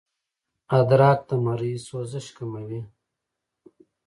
ادرک د مرۍ سوزش کموي